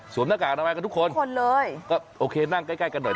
หน้ากากอนามัยกันทุกคนทุกคนเลยก็โอเคนั่งใกล้ใกล้กันหน่อย